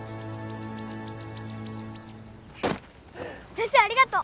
先生ありがとう。